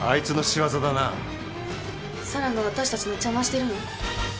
四朗が私たちの邪魔してるの？